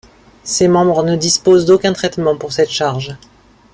Ces membres ne disposent d'aucun traitement pour cette charge.